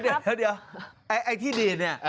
น้อยลงที่ดีด